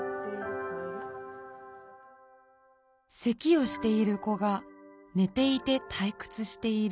「咳をしている子がねていてたいくつしている。